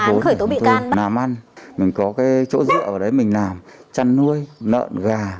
tôi làm ăn mình có cái chỗ dựa ở đấy mình làm chăn nuôi nợn gà